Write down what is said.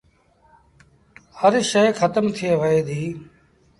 هر شئي کتم ٿئي وهي ديٚ